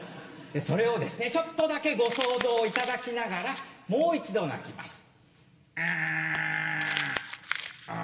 それをちょっとだけご想像いただきながらもう一度鳴きます。